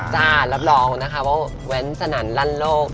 จ้ารับรองนะคะว่าเว้นสนานรั่นโลก